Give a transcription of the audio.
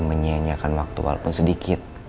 menyianyikan waktu walaupun sedikit